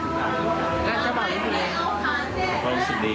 คอยดูแลเจ้าเบาจะเหมือนแม่บ้านเลย